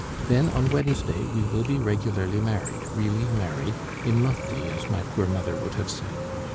Then, on Wednesday, we will be regularly married, really married, in mufti, as my poor mother would have said.